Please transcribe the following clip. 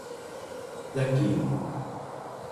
一件